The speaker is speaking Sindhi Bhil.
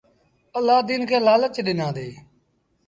الآدين کي لآلچ ڏنآندي۔